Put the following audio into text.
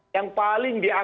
yang paling diperhatikan